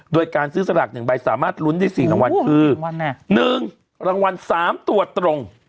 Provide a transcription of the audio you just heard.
โดยการซื้อสลาก๑ใบสามารถลุ้นได้๔รางวัลคือ๑รางวัล๓ตัวตรง